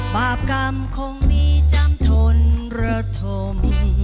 บาปกรรมคงมีจำทนระทม